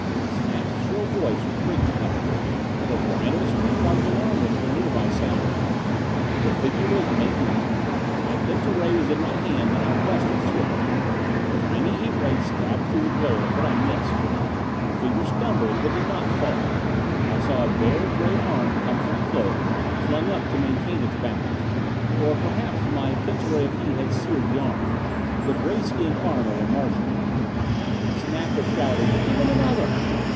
Snap's shrill voice was bringing help. The whine of a street guard's alarm whistle nearby sounded. The figure was making off! My pencil ray was in my hand and I pressed its switch. The tiny heat ray stabbed through the glare, but I missed. The figure stumbled, but did not fall. I saw a bare gray arm come from the cloak, flung up to maintain its balance. Or perhaps my pencil ray of heat had seared the arm. The gray skinned arm of a Martian. Snap was shouting, "Give him another!"